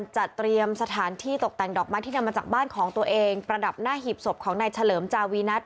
จากบ้านของตัวเองประดับหน้าหีบศพของนายเฉลิมจาวีนัท